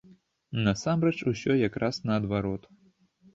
Насамрэч, усё якраз наадварот.